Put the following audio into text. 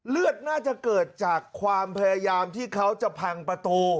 เลือดน่าจะเกิดจากความพยายามที่เขาจะพังประตู